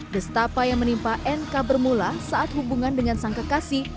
destapa yang menimpa nk bermula saat hubungan dengan sang kekasih